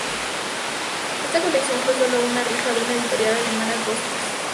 Esta colección fue solo una rifa de una editorial alemana "Kosmos".